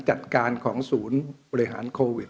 จัดการของศูนย์บริหารโควิด